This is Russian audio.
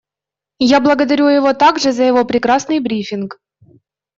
Я благодарю его также за его прекрасный брифинг.